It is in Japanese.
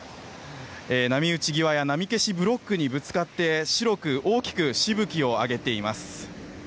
波打ち際や波消しブロックにぶつかって白く大きくしぶきを上げています。